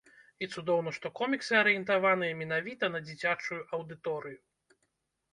І цудоўна, што коміксы арыентаваныя менавіта на дзіцячую аўдыторыю.